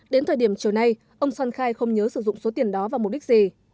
đến thời điểm chiều nay ông son khai không nhớ sử dụng số tiền đó vào mục đích gì